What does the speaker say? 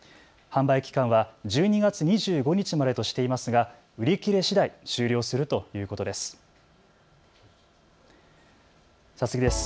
販売期間は１２月２５日までとしていますが売り切れしだい終了するということです。